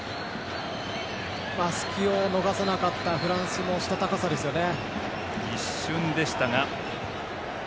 隙を逃さなかったフランスのしたたかさですよね。